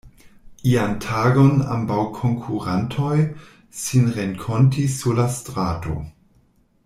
Ian tagon ambaŭ konkurantoj sin renkontis sur la strato.